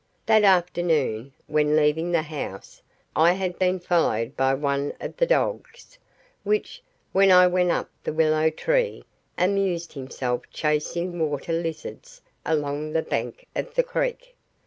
That afternoon, when leaving the house, I had been followed by one of the dogs, which, when I went up the willow tree, amused himself chasing water lizards along the bank of the creek.